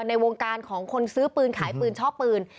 ในวงการของคนซื้อปืนขายปืนชอบปืน